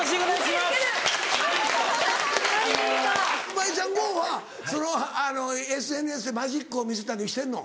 マジシャンＧＯはＳＮＳでマジックを見せたりしてんの？